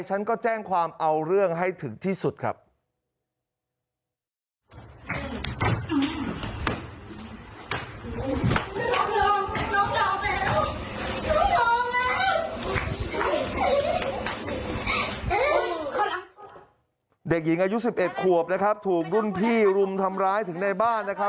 ฉันก็แจ้งความเอาเรื่องให้ถึงที่สุดครับ